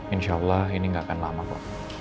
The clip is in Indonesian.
insya allah ini gak akan lama kok